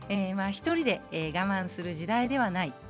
１人で我慢する時代ではない。